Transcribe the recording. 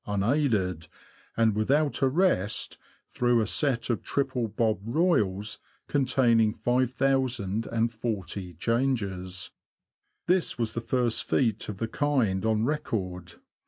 unaided, and without a rest, through a set of triple Bob Royals, containing 5040 changes. This was the first feat of the kind on record.